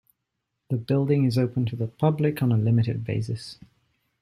The building is open to the public on a limited basis.